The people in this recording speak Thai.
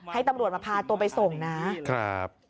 ให้ตำรวจมาพาตัวไปส่งนะครับ